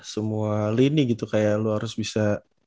semua lini gitu kayak lu harus bisa